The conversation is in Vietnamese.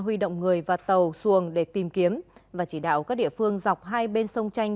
huy động người và tàu xuồng để tìm kiếm và chỉ đạo các địa phương dọc hai bên sông chanh